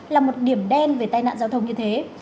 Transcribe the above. là một điểm đen về tai nạn giao thông như thế